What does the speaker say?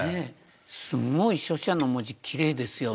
すごい書写の文字きれいですよね。